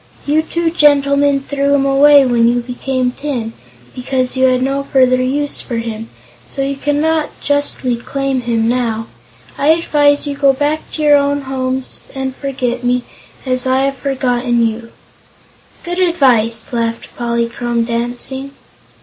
You two gentlemen threw him away when you became tin, because you had no further use for him, so you cannot justly claim him now. I advise you to go back to your own homes and forget me, as I have forgotten you." "Good advice!" laughed Polychrome, dancing.